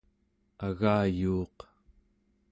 agayuuq